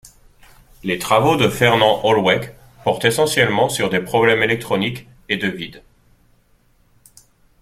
Les travaux de Fernand Holweck portent essentiellement sur des problèmes électroniques et de vide.